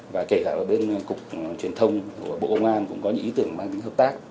và kể cả ở bên cục truyền thông của bộ công an cũng có những ý tưởng mang tính hợp tác